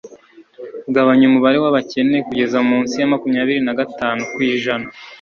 kugabanya umubare w'abakene kugeza munsi ya makumyabiri na gatanu ku ijana